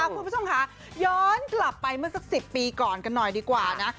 คุณผู้ชมค่ะย้อนกลับไปเมื่อสัก๑๐ปีก่อนกันหน่อยดีกว่านะ